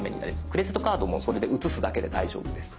クレジットカードもそれで写すだけで大丈夫です。